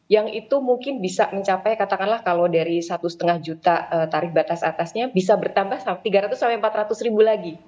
yang itu mungkin bisa mencapai katakanlah kalau dari satu lima juta tarif batas atasnya bisa bertambah tiga ratus sampai empat ratus ribu lagi